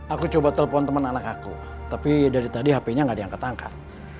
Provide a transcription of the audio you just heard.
aku coba telepon temen anak aku tapi dari tadi hpnya gak diangkat angkat